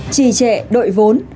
trì trẻ đội vốn